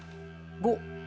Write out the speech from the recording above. ５。